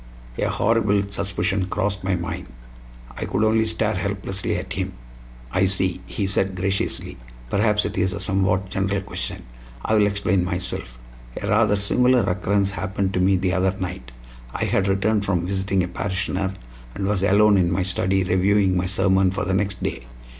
A horrible suspicion crossed my mind; I could only stare helplessly at him. "I see," he said graciously; "perhaps it is a somewhat general question. I will explain myself. A rather singular occurrence happened to me the other night. I had returned from visiting a parishioner, and was alone in my study reviewing my sermon for the next day.